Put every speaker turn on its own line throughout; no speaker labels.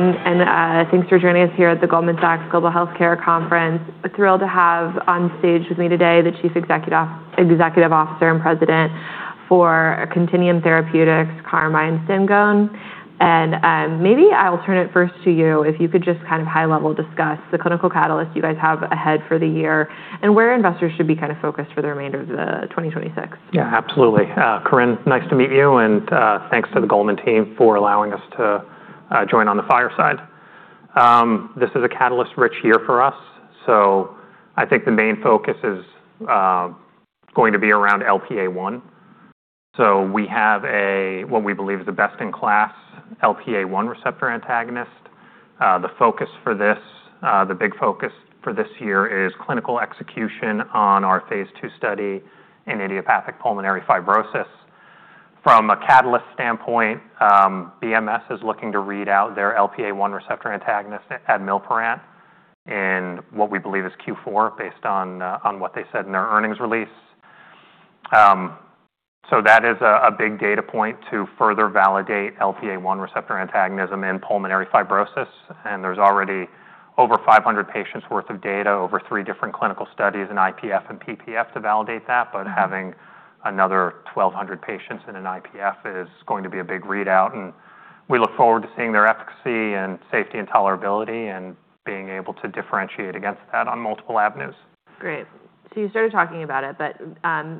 Everyone, thanks for joining us here at the Goldman Sachs Global Healthcare Conference. Thrilled to have on stage with me today the Chief Executive Officer and President for Contineum Therapeutics, Carmine Stengone. Maybe I'll turn it first to you, if you could just high-level discuss the clinical catalyst you guys have ahead for the year and where investors should be focused for the remainder of 2026.
Yeah, absolutely. Corinne, nice to meet you, and thanks to the Goldman team for allowing us to join on the fireside. This is a catalyst-rich year for us. I think the main focus is going to be around LPA1. We have what we believe is the best-in-class LPA1 receptor antagonist. The big focus for this year is clinical execution on our phase II study in idiopathic pulmonary fibrosis. From a catalyst standpoint, BMS is looking to read out their LPA1 receptor antagonist, admilparant, in what we believe is Q4, based on what they said in their earnings release. That is a big data point to further validate LPA1 receptor antagonism in pulmonary fibrosis, and there's already over 500 patients' worth of data over three different clinical studies in IPF and PPF to validate that, but having another 1,200 patients in an IPF is going to be a big readout, and we look forward to seeing their efficacy and safety and tolerability and being able to differentiate against that on multiple avenues.
Great. You started talking about it,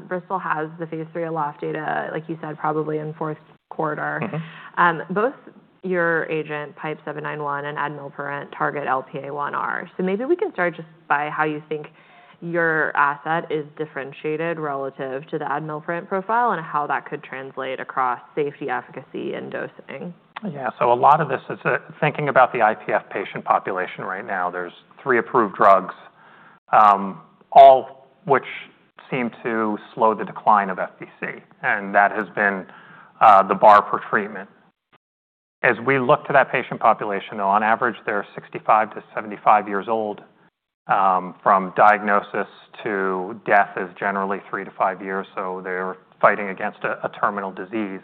Bristol has the phase III ALOFT data, like you said, probably in the fourth quarter. Both your agent, PIPE-791, and admilparant target LPA1R. Maybe we can start just by how you think your asset is differentiated relative to the admilparant profile and how that could translate across safety, efficacy, and dosing.
Yeah. A lot of this is thinking about the IPF patient population right now. There are three approved drugs all which seem to slow the decline of FVC, and that has been the bar for treatment. As we look to that patient population, on average, they are 65-75 years old. From diagnosis to death is generally three to five years, so they are fighting against a terminal disease.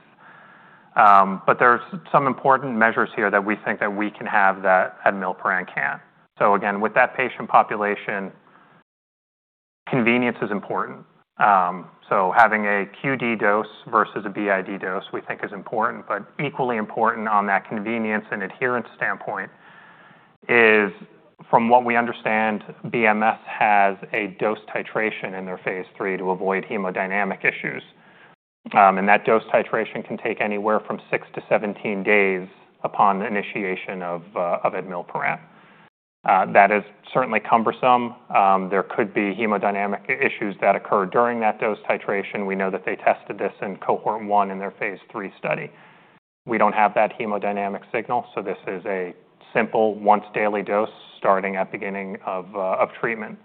There is some important measures here that we think that we can have that admilparant cannot. Again, with that patient population, convenience is important. Having a QD dose versus a BID dose we think is important, but equally important on that convenience and adherence standpoint is, from what we understand, BMS has a dose titration in their phase III to avoid hemodynamic issues. That dose titration can take anywhere from six to 17 days upon initiation of admilparant. That is certainly cumbersome. There could be hemodynamic issues that occur during that dose titration. We know that they tested this in cohort 1 in their phase III study. We do not have that hemodynamic signal, this is a simple once-daily dose starting at the beginning of treatment.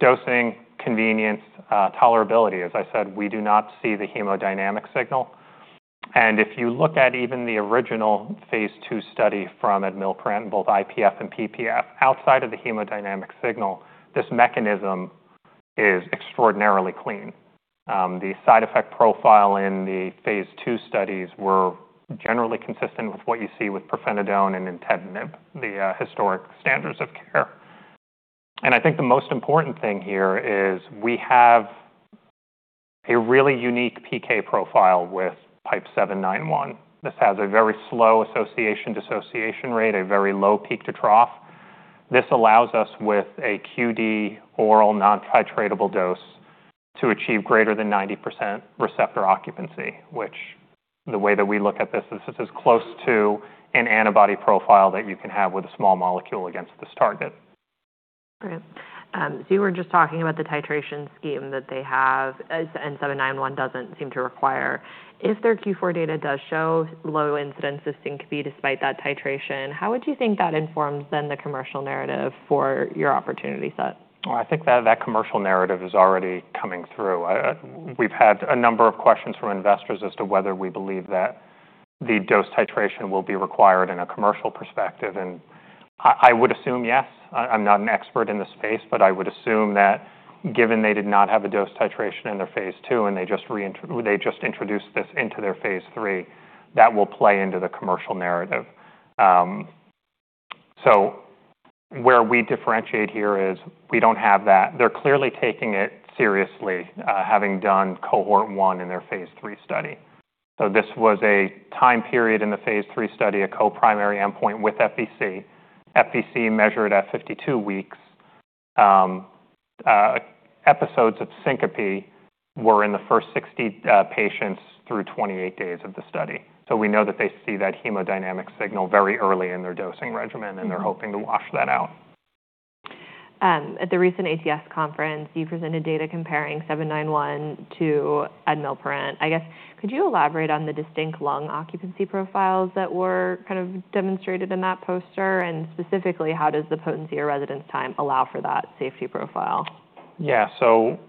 Dosing convenience, tolerability. As I said, we do not see the hemodynamic signal. If you look at even the original phase II study from admilparant, both IPF and PPF, outside of the hemodynamic signal, this mechanism is extraordinarily clean. The side effect profile in the phase II studies were generally consistent with what you see with pirfenidone and nintedanib, the historic standards of care. I think the most important thing here is we have a really unique PK profile with PIPE-791. This has a very slow association-dissociation rate, a very low peak to trough. This allows us, with a QD oral non-titratable dose, to achieve greater than 90% receptor occupancy, which the way that we look at this is as close to an antibody profile that you can have with a small molecule against this target.
Great. You were just talking about the titration scheme that they have, 791 doesn't seem to require. If their Q4 data does show low incidence of syncope despite that titration, how would you think that informs, then, the commercial narrative for your opportunity set?
Well, I think that commercial narrative is already coming through. We've had a number of questions from investors as to whether we believe that the dose titration will be required in a commercial perspective, and I would assume yes. I'm not an expert in the space, but I would assume that given they did not have a dose titration in their phase II and they just introduced this into their phase III, that will play into the commercial narrative. Where we differentiate here is we don't have that. They're clearly taking it seriously, having done cohort 1 in their phase III study. This was a time period in the phase III study, a co-primary endpoint with FVC. FVC measured at 52 weeks. Episodes of syncope were in the first 60 patients through 28 days of the study. We know that they see that hemodynamic signal very early in their dosing regimen, and they're hoping to wash that out.
At the recent ATS conference, you presented data comparing 791 to admilparant. I guess, could you elaborate on the distinct lung occupancy profiles that were demonstrated in that poster? Specifically, how does the potency or residence time allow for that safety profile?
Yeah.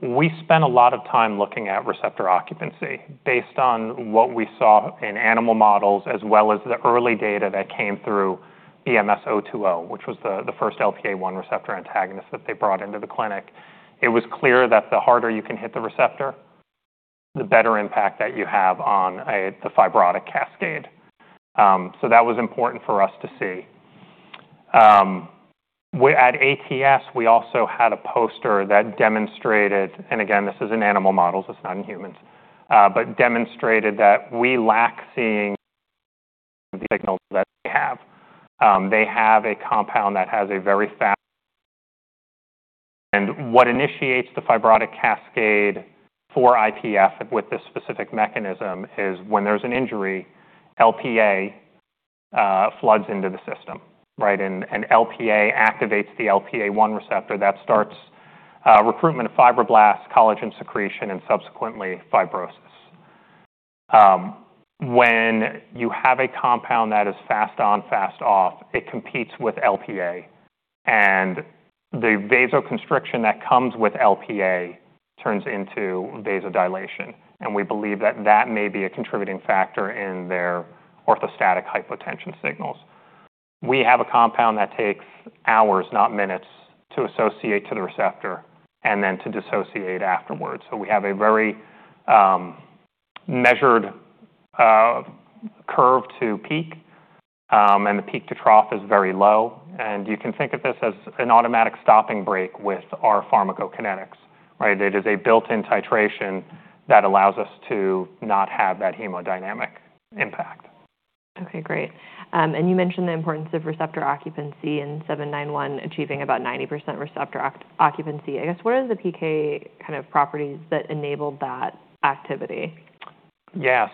We spent a lot of time looking at receptor occupancy based on what we saw in animal models as well as the early data that came through BMS-986020, which was the first LPA1 receptor antagonist that they brought into the clinic. It was clear that the harder you can hit the receptor. The better impact that you have on the fibrotic cascade. That was important for us to see. At ATS, we also had a poster that demonstrated, and again, this is in animal models, it's not in humans, but demonstrated that we lack seeing signals that they have. They have a compound that has a very fast. What initiates the fibrotic cascade for IPF with this specific mechanism is when there's an injury, LPA floods into the system, right? LPA activates the LPA-1 receptor that starts recruitment of fibroblasts, collagen secretion, and subsequently fibrosis. When you have a compound that is fast on, fast off, it competes with LPA, and the vasoconstriction that comes with LPA turns into vasodilation, and we believe that that may be a contributing factor in their orthostatic hypotension signals. We have a compound that takes hours, not minutes, to associate to the receptor, and then to dissociate afterwards, so we have a very measured curve to peak, and the peak to trough is very low, and you can think of this as an automatic stopping brake with our pharmacokinetics. It is a built-in titration that allows us to not have that hemodynamic impact.
Okay, great. You mentioned the importance of receptor occupancy in 791 achieving about 90% receptor occupancy. I guess, what are the PK properties that enabled that activity?
Yeah.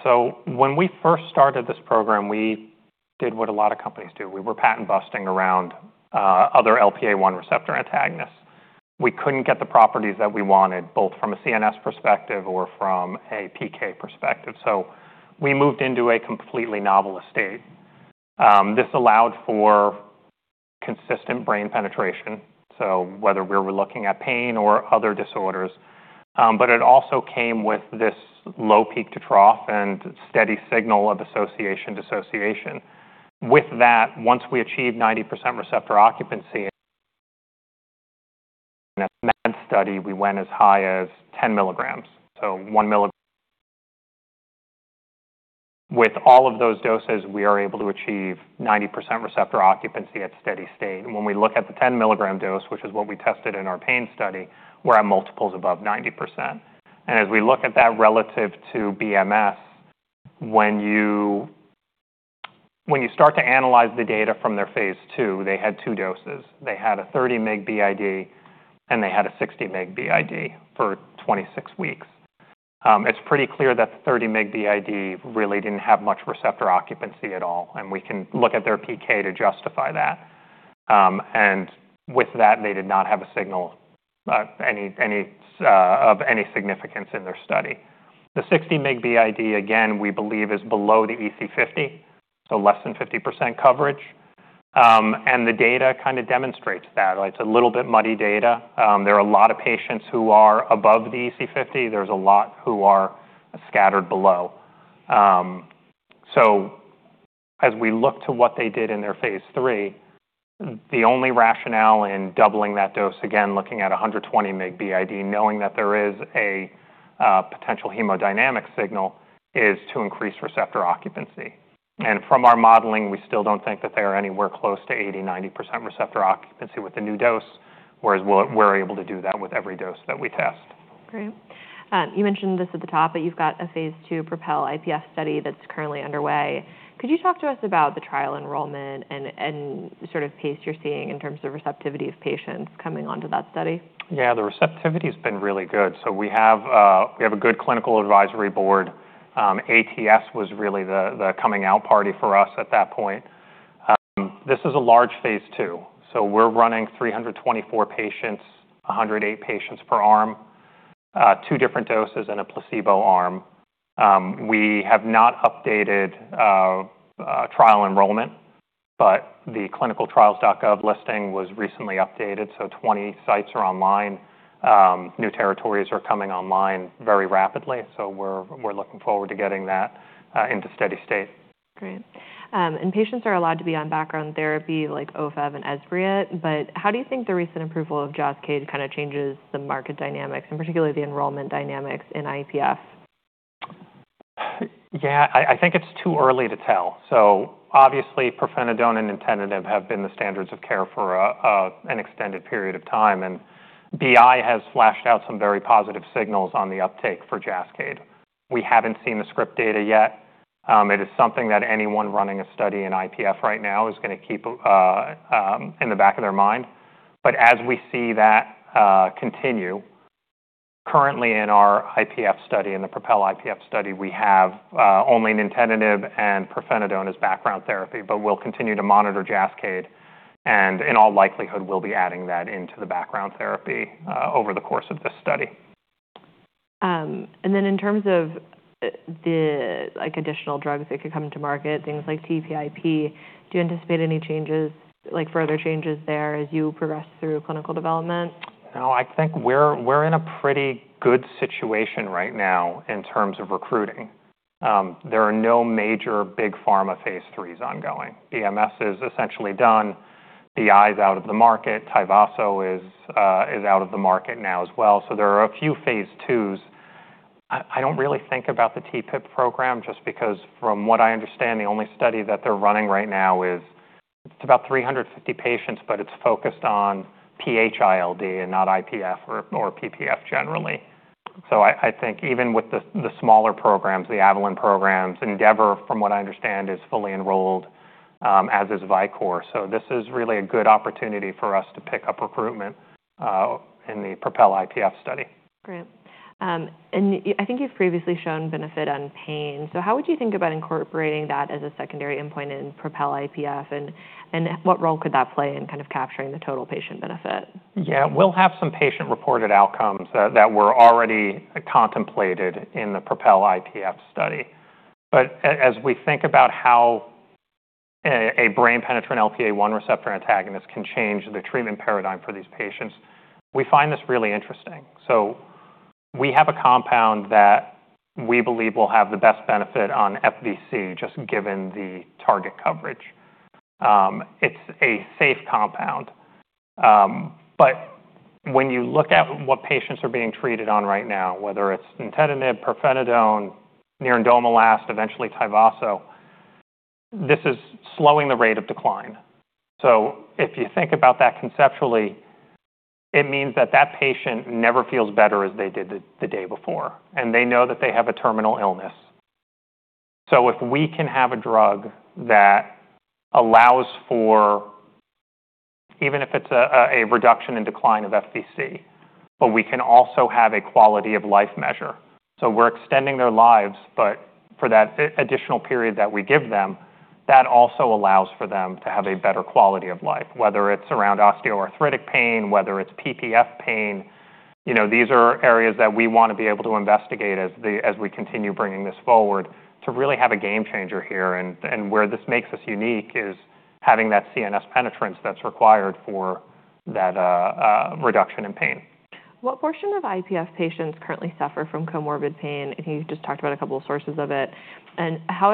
When we first started this program, we did what a lot of companies do. We were patent busting around other LPA-1 receptor antagonists. We couldn't get the properties that we wanted, both from a CNS perspective or from a PK perspective. We moved into a completely novel estate. This allowed for consistent brain penetration, so whether we were looking at pain or other disorders, but it also came with this low peak to trough and steady signal of association dissociation. With that, once we achieved 90% receptor occupancy in that study, we went as high as 10 mg. So 1 mg. With all of those doses, we are able to achieve 90% receptor occupancy at steady state, and when we look at the 10-mg dose, which is what we tested in our pain study, we're at multiples above 90%. As we look at that relative to BMS, when you start to analyze the data from their phase II, they had two doses. They had a 30 mg BID, and they had a 60 mg BID for 26 weeks. It's pretty clear that the 30 mg BID really didn't have much receptor occupancy at all, and we can look at their PK to justify that. With that, they did not have a signal of any significance in their study. The 60 mg BID, again, we believe is below the EC50, so less than 50% coverage, and the data kind of demonstrates that. It's a little bit muddy data. There are a lot of patients who are above the EC50. There's a lot who are scattered below. As we look to what they did in their phase III, the only rationale in doubling that dose, again, looking at 120 mg BID, knowing that there is a potential hemodynamic signal, is to increase receptor occupancy. From our modeling, we still don't think that they are anywhere close to 80%-90% receptor occupancy with the new dose, whereas we're able to do that with every dose that we test.
Great. You mentioned this at the top, but you've got a phase II PROPEL-IPF study that's currently underway. Could you talk to us about the trial enrollment and sort of pace you're seeing in terms of receptivity of patients coming onto that study?
Yeah, the receptivity's been really good. We have a good clinical advisory board. ATS was really the coming out party for us at that point. This is a large phase II, we're running 324 patients, 108 patients per arm, two different doses in a placebo arm. We have not updated trial enrollment, but the clinicaltrials.gov listing was recently updated, 20 sites are online. New territories are coming online very rapidly, we're looking forward to getting that into steady state.
Great. Patients are allowed to be on background therapy like Ofev and Esbriet, but how do you think the recent approval of JASCAYD changes the market dynamics and particularly the enrollment dynamics in IPF?
I think it's too early to tell. Obviously pirfenidone and nintedanib have been the standards of care for an extended period of time, and BI has flashed out some very positive signals on the uptake for JASCAYD. We haven't seen the script data yet. It is something that anyone running a study in IPF right now is going to keep in the back of their mind. As we see that continue, currently in our IPF study, in the PROPEL-IPF study, we have only nintedanib and pirfenidone as background therapy, but we'll continue to monitor JASCAYD, and in all likelihood, we'll be adding that into the background therapy over the course of this study.
In terms of the additional drugs that could come to market, things like TPIP, do you anticipate any further changes there as you progress through clinical development?
I think we're in a pretty good situation right now in terms of recruiting. There are no major big pharma phase III's ongoing. BMS is essentially done. BI's out of the market. TYVASO is out of the market now as well. There are a few phase II's. I don't really think about the TPIP program just because from what I understand, the only study that they're running right now is about 350 patients, but it's focused on PH-ILD and not IPF or PPF generally. I think even with the smaller programs, the Avalyn programs, ENDEAVOR, from what I understand, is fully enrolled, as is Vicore. This is really a good opportunity for us to pick up recruitment in the PROPEL-IPF study.
Great. I think you've previously shown benefit on pain. How would you think about incorporating that as a secondary endpoint in PROPEL-IPF, and what role could that play in kind of capturing the total patient benefit?
Yeah. We'll have some patient-reported outcomes that were already contemplated in the PROPEL-IPF study. As we think about how a brain-penetrant LPA1 receptor antagonist can change the treatment paradigm for these patients, we find this really interesting. We have a compound that we believe will have the best benefit on FVC just given the target coverage. It's a safe compound. When you look at what patients are being treated on right now, whether it's nintedanib, pirfenidone, nerandomilast, eventually TYVASO, this is slowing the rate of decline. If you think about that conceptually, it means that that patient never feels better as they did the day before, and they know that they have a terminal illness. If we can have a drug that allows for, even if it's a reduction in decline of FVC, we can also have a quality-of-life measure. We're extending their lives, but for that additional period that we give them, that also allows for them to have a better quality of life, whether it's around osteoarthritic pain, whether it's PPF pain. These are areas that we want to be able to investigate as we continue bringing this forward to really have a game changer here, and where this makes us unique is having that CNS penetrance that's required for that reduction in pain.
What portion of IPF patients currently suffer from comorbid pain? I think you just talked about a couple of sources of it. How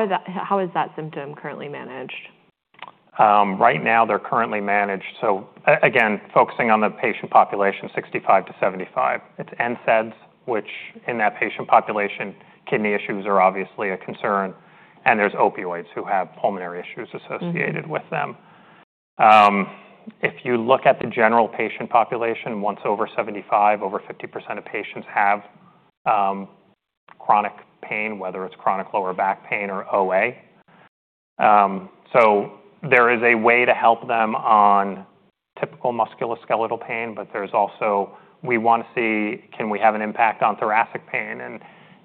is that symptom currently managed?
Right now they're currently managed. Again, focusing on the patient population 65-75 years. It's NSAIDs, which in that patient population, kidney issues are obviously a concern, and there's opioids who have pulmonary issues associated with them. If you look at the general patient population, once over 75 years, over 50% of patients have chronic pain, whether it's chronic lower back pain or OA. There is a way to help them on typical musculoskeletal pain, but there's also, we want to see can we have an impact on thoracic pain?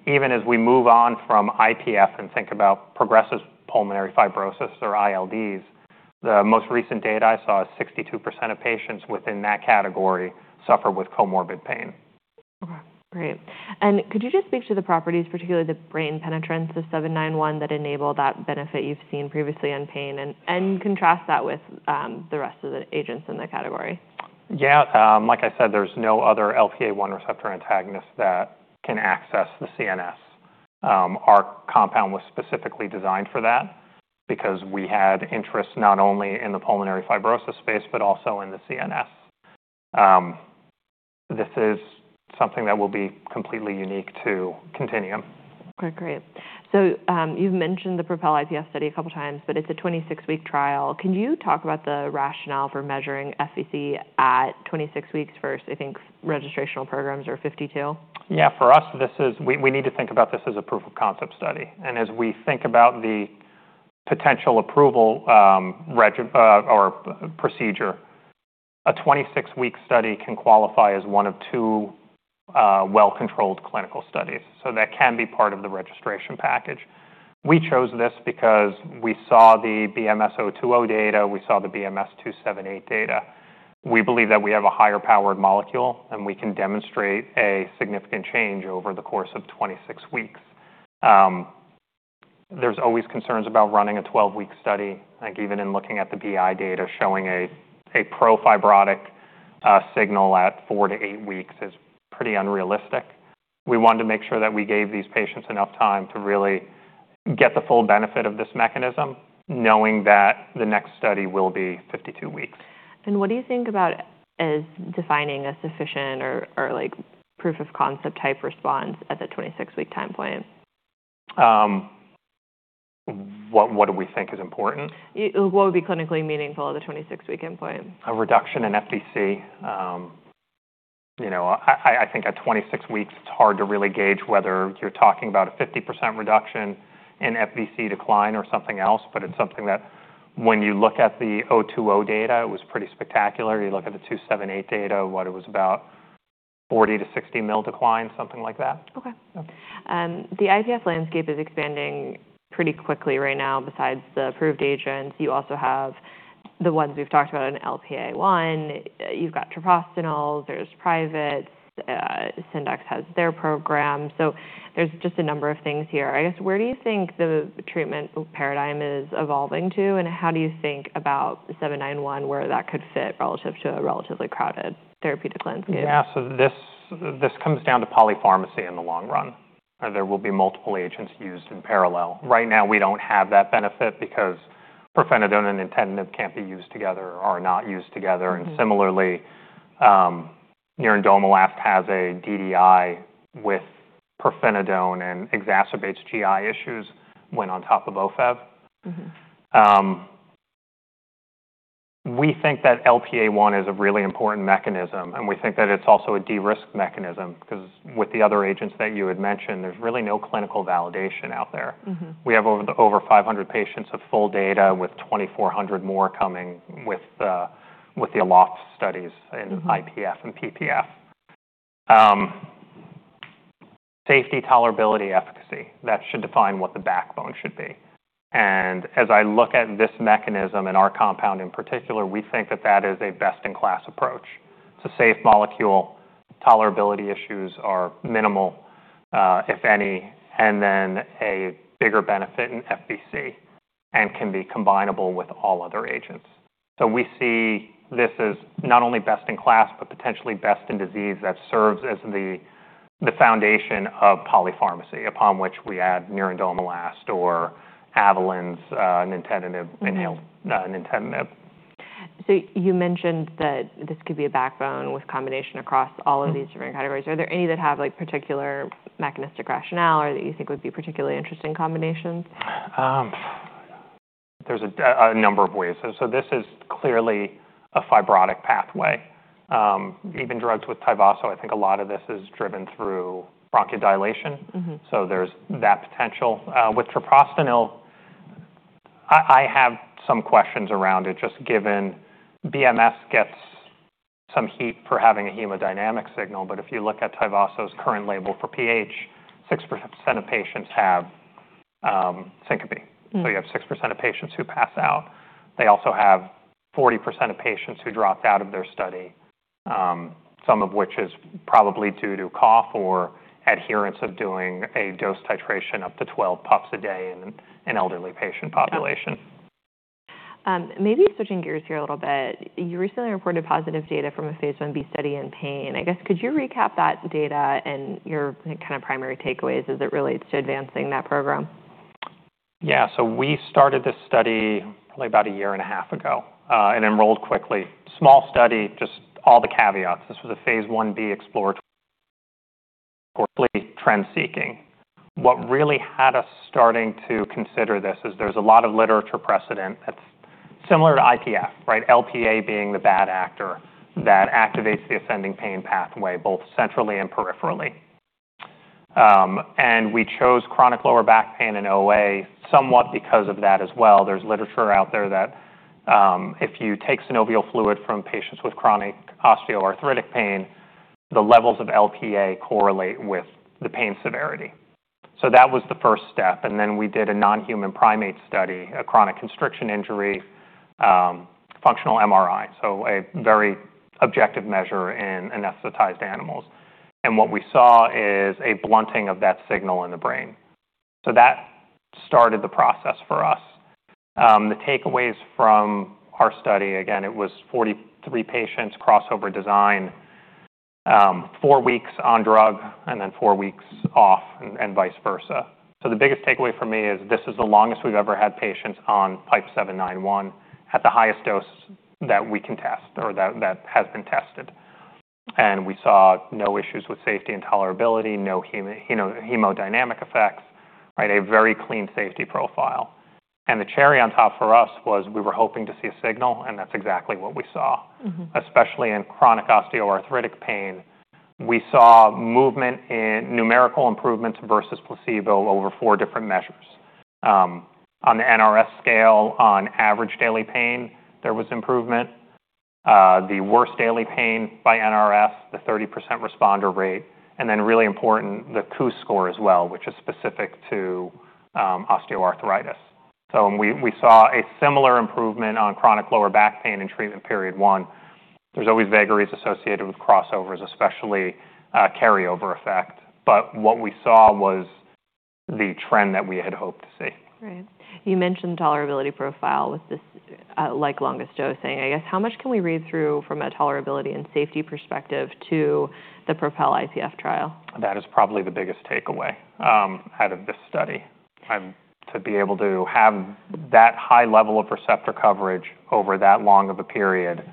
Even as we move on from IPF and think about progressive pulmonary fibrosis or ILDs, the most recent data I saw is 62% of patients within that category suffer with comorbid pain.
Okay, great. Could you just speak to the properties, particularly the brain penetrance of 791 that enable that benefit you've seen previously on pain and contrast that with the rest of the agents in the category?
Yeah. Like I said, there's no other LPA1 receptor antagonist that can access the CNS. Our compound was specifically designed for that because we had interest not only in the pulmonary fibrosis space but also in the CNS. This is something that will be completely unique to Contineum.
Okay, great. You've mentioned the PROPEL-IPF study a couple of times, but it's a 26-week trial. Can you talk about the rationale for measuring FVC at 26 weeks versus, I think, registrational programs are 52?
Yeah, for us, we need to think about this as a proof-of-concept study. As we think about the potential approval procedure, a 26-week study can qualify as one of two well-controlled clinical studies. That can be part of the registration package. We chose this because we saw the BMS-020 data, we saw the BMS-278 data. We believe that we have a higher-powered molecule, and we can demonstrate a significant change over the course of 26 weeks. There's always concerns about running a 12-week study. I think even in looking at the BI data, showing a pro-fibrotic signal at four to eight weeks is pretty unrealistic. We wanted to make sure that we gave these patients enough time to really get the full benefit of this mechanism, knowing that the next study will be 52 weeks.
What do you think about as defining a sufficient or proof-of-concept type response at the 26-week time point?
What do we think is important?
What would be clinically meaningful at the 26-week endpoint?
A reduction in FVC. I think at 26 weeks, it's hard to really gauge whether you're talking about a 50% reduction in FVC decline or something else, but it's something that when you look at the 020 data, it was pretty spectacular. You look at the 278 data, what it was about 40-60 mil decline, something like that.
Okay. The IPF landscape is expanding pretty quickly right now. Besides the approved agents, you also have the ones we've talked about in LPA1, you've got treprostinil, there's Private, Syndax has their program. There's just a number of things here. I guess, where do you think the treatment paradigm is evolving to, and how do you think about 791, where that could fit relative to a relatively crowded therapeutic landscape?
Yeah. This comes down to polypharmacy in the long run, and there will be multiple agents used in parallel. Right now we don't have that benefit because pirfenidone and nintedanib can't be used together or are not used together. Similarly, nerandomilast has a DDI with pirfenidone and exacerbates GI issues when on top of Ofev. We think that LPA-1 is a really important mechanism, and we think that it's also a de-risk mechanism, because with the other agents that you had mentioned, there's really no clinical validation out there. We have over 500 patients of full data with 2,400 more coming with the ALOFT studies in IPF and PPF. Safety, tolerability, efficacy, that should define what the backbone should be. As I look at this mechanism and our compound in particular, we think that that is a best-in-class approach. It's a safe molecule, tolerability issues are minimal, if any, and then a bigger benefit in FVC, and can be combinable with all other agents. We see this as not only best in class, but potentially best in disease that serves as the foundation of polypharmacy, upon which we add nerandomilast or Avalyn's, nintedanib, inhaled nintedanib.
You mentioned that this could be a backbone with combination across all of these different categories. Are there any that have particular mechanistic rationale or that you think would be particularly interesting combinations?
There's a number of ways. This is clearly a fibrotic pathway. Even drugs with Tyvaso, I think a lot of this is driven through bronchodilation. There's that potential. With treprostinil, I have some questions around it, just given BMS gets some heat for having a hemodynamic signal, but if you look at Tyvaso's current label for PH, 6% of patients have syncope. You have 6% of patients who pass out. They also have 40% of patients who dropped out of their study, some of which is probably due to cough or adherence of doing a dose titration up to 12 puffs a day in an elderly patient population.
Maybe switching gears here a little bit, you recently reported positive data from a phase I-B study in pain. I guess, could you recap that data and your primary takeaways as it relates to advancing that program?
Yeah. We started this study probably about a year and a half ago, and enrolled quickly. Small study, just all the caveats. This was a phase I-B exploratory trend-seeking. What really had us starting to consider this is there's a lot of literature precedent that's similar to IPF, LPA being the bad actor that activates the ascending pain pathway, both centrally and peripherally. We chose chronic lower back pain and OA somewhat because of that as well. There's literature out there that if you take synovial fluid from patients with chronic osteoarthritic pain, the levels of LPA correlate with the pain severity. That was the first step, and then we did a non-human primate study, a chronic constriction injury, functional MRI, a very objective measure in anesthetized animals. What we saw is a blunting of that signal in the brain. That started the process for us. The takeaways from our study, again, it was 43 patients, crossover design, four weeks on drug, then four weeks off, and vice versa. The biggest takeaway for me is this is the longest we've ever had patients on PIPE-791 at the highest dose that we can test, or that has been tested. We saw no issues with safety and tolerability, no hemodynamic effects, a very clean safety profile. The cherry on top for us was we were hoping to see a signal, and that's exactly what we saw. In chronic osteoarthritic pain, we saw numerical improvements versus placebo over four different measures. On the NRS scale, on average daily pain, there was improvement. The worst daily pain by NRS, the 30% responder rate, and then really important, the KOOS score as well, which is specific to osteoarthritis. We saw a similar improvement on chronic lower back pain in treatment period one. There's always vagaries associated with crossovers, especially carryover effect. What we saw was the trend that we had hoped to see.
Right. You mentioned tolerability profile with this, like longest dosing, I guess. How much can we read through from a tolerability and safety perspective to the PROPEL-IPF trial?
That is probably the biggest takeaway out of this study. To be able to have that high level of receptor coverage over that long of a period,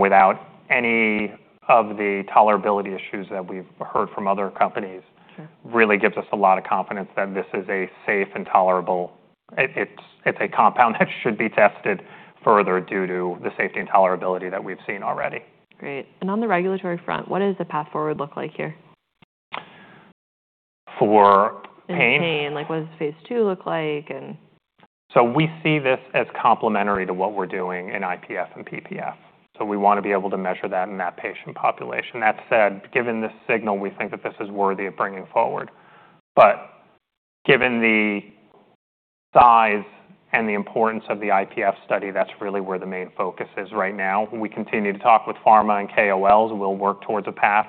without any of the tolerability issues that we've heard from other companies.
Sure.
Really gives us a lot of confidence that it's a compound that should be tested further due to the safety and tolerability that we've seen already.
Great. On the regulatory front, what does the path forward look like here?
For pain?
In pain. What does phase II look like and
We see this as complementary to what we're doing in IPF and PPF. We want to be able to measure that in that patient population. That said, given this signal, we think that this is worthy of bringing forward. Given the size and the importance of the IPF study, that's really where the main focus is right now. We continue to talk with pharma and KOLs. We'll work towards a path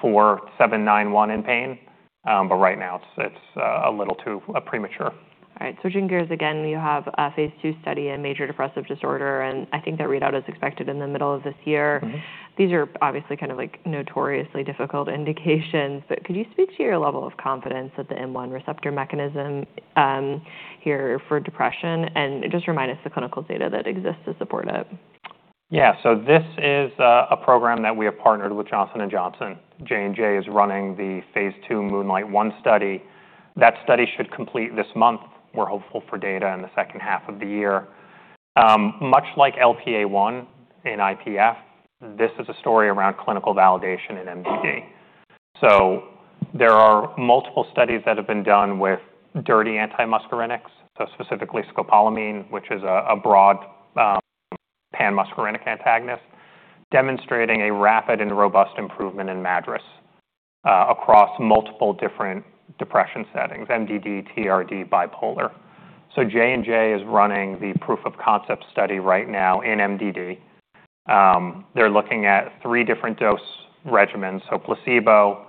for 791 in pain. Right now, it's a little too premature.
All right, switching gears again, you have a phase II study in Major Depressive Disorder. I think that readout is expected in the middle of this year. These are obviously notoriously difficult indications. Could you speak to your level of confidence that the M1 receptor mechanism here for depression, just remind us the clinical data that exists to support it?
Yeah. This is a program that we have partnered with Johnson & Johnson. J&J is running the phase II MOONLIGHT-1 study. That study should complete this month. We're hopeful for data in the second half of the year. Much like LPA1 in IPF, this is a story around clinical validation in MDD. There are multiple studies that have been done with dirty antimuscarinics, specifically scopolamine, which is a broad pan-muscarinic antagonist, demonstrating a rapid and robust improvement in MADRS across multiple different depression settings, MDD, TRD, bipolar. J&J is running the proof of concept study right now in MDD. They're looking at three different dose regimens, placebo,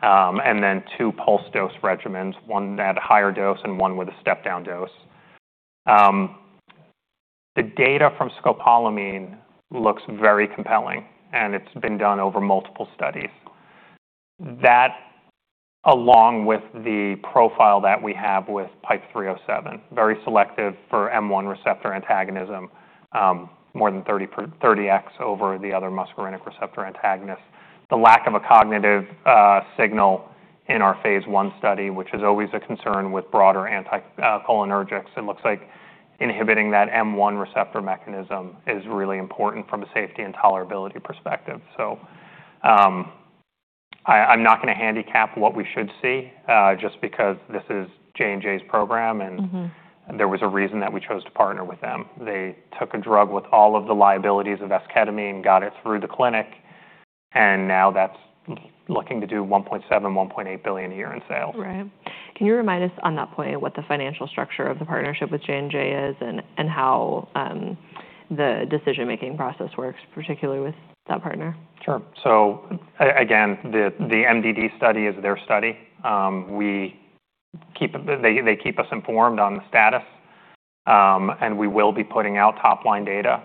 then two pulse dose regimens, one at a higher dose and one with a step-down dose. The data from scopolamine looks very compelling, it's been done over multiple studies. That, along with the profile that we have with PIPE-307, very selective for M1 receptor antagonism, more than 30x over the other muscarinic receptor antagonist. The lack of a cognitive signal in our phase I study, which is always a concern with broader anticholinergics. It looks like inhibiting that M1 receptor mechanism is really important from a safety and tolerability perspective. I'm not going to handicap what we should see just because this is J&J's program. there was a reason that we chose to partner with them. They took a drug with all of the liabilities of esketamine, got it through the clinic. Now that's looking to do $1.7 billion, $1.8 billion a year in sales.
Right. Can you remind us on that point what the financial structure of the partnership with J&J is and how the decision-making process works, particularly with that partner?
Sure. Again, the MDD study is their study. They keep us informed on the status. We will be putting out top-line data.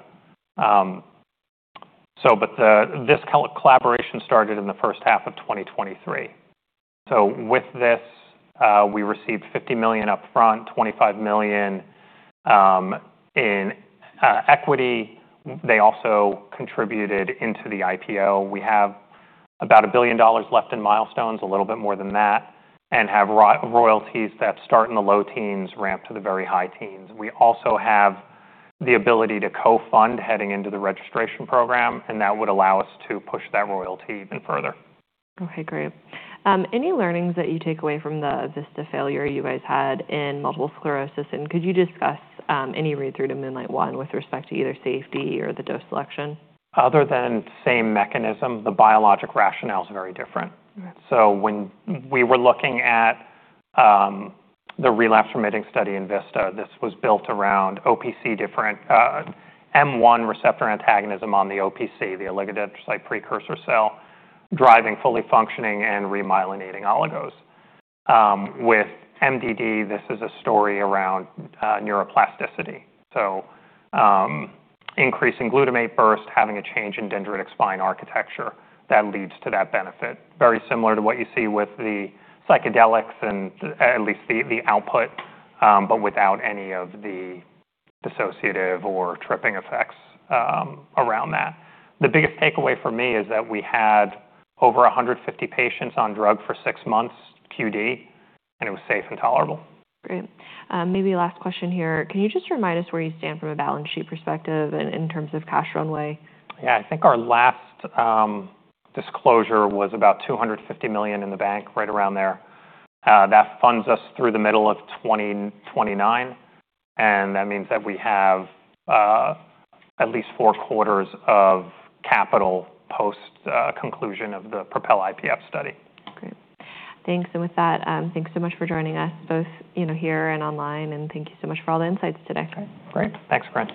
This collaboration started in the first half of 2023. With this, we received $50 million up front, $25 million in equity. They also contributed into the IPO. We have about a billion dollars left in milestones, a little bit more than that, have royalties that start in the low teens ramp to the very high teens. We also have the ability to co-fund heading into the registration program. That would allow us to push that royalty even further.
Okay, great. Any learnings that you take away from the VISTA failure you guys had in multiple sclerosis? Could you discuss any read-through to MOONLIGHT-1 with respect to either safety or the dose selection?
Other than same mechanism, the biologic rationale's very different.
Right.
When we were looking at the relapse remitting study in VISTA, this was built around OPC different M1 receptor antagonism on the OPC, the oligodendrocyte precursor cell, driving fully functioning and remyelinating oligos. With MDD, this is a story around neuroplasticity. Increasing glutamate burst, having a change in dendritic spine architecture that leads to that benefit. Very similar to what you see with the psychedelics and at least the output, but without any of the dissociative or tripping effects around that. The biggest takeaway for me is that we had over 150 patients on drug for six months QD, and it was safe and tolerable.
Great. Maybe last question here. Can you just remind us where you stand from a balance sheet perspective and in terms of cash runway?
Yeah. I think our last disclosure was about $250 million in the bank, right around there. That funds us through the middle of 2029, and that means that we have at least four quarters of capital post conclusion of the PROPEL-IPF study.
Great. Thanks. With that, thanks so much for joining us both here and online, and thank you so much for all the insights today.
Okay, great. Thanks.